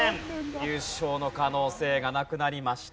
優勝の可能性がなくなりました。